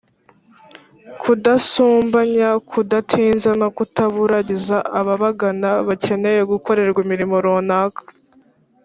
kudasumbanya, kudatinza no kutaburagiza ababagana bakeneye gukorerwa imirimo runaka.